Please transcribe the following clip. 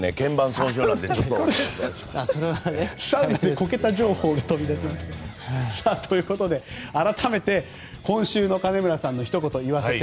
サウナでこけて、肩がね。ということで、改めて今週の金村さんのひと言言わせて！